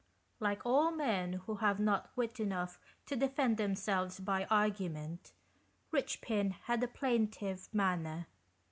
Like all men who have not wit enough to defend themselves by argument, Richpin had a plaintive manner.